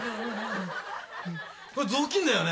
これ雑巾だよね？